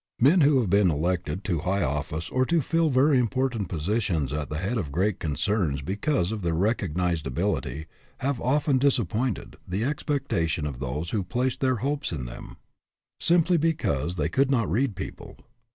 Men who have been elected to high office or to fill very important positions at the head of great concerns because of their recognized ability have often disappointed the expecta tions of those who placed their hopes in them, simply because they could not read people.